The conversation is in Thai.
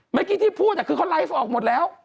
เมื่อกี้ที่พูดคือเขาไลฟ์ออกหมดแล้ว